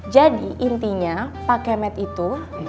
jadi intinya pak kemet itu